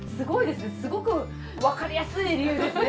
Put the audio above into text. すごくわかりやすい理由ですね。